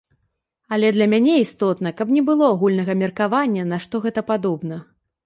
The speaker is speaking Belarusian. Але для мяне істотна, каб не было агульнага меркавання, на што гэта падобна.